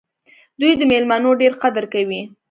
دوی د میلمنو ډېر قدر کوي.